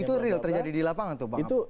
itu real terjadi di lapangan tuh bang